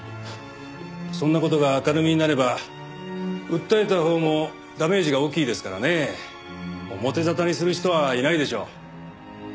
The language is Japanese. そんな事が明るみになれば訴えたほうもダメージが大きいですからねえ。表沙汰にする人はいないでしょう。